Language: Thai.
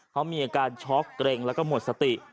เขามีอาการช็อกเกร็งแล้วก็หมดสติ